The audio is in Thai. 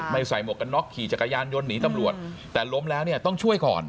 ใส่หมวกกันน็อกขี่จักรยานยนต์หนีตำรวจแต่ล้มแล้วเนี่ยต้องช่วยก่อน